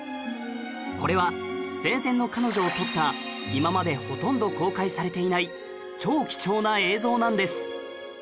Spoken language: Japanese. これは生前の彼女を撮った今までほとんど公開されていない超貴重な映像なんです